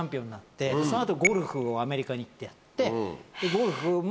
その後ゴルフをアメリカに行ってやってゴルフも。